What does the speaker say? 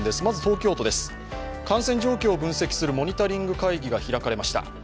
まず、東京都です、感染状況を分析するモニタリング会議が開かれました。